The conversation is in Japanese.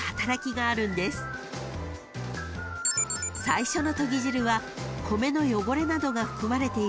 ［最初のとぎ汁は米の汚れなどが含まれている場合があるので］